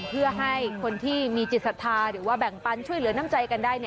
เพื่อให้คนที่มีจิตศรัทธาหรือว่าแบ่งปันช่วยเหลือน้ำใจกันได้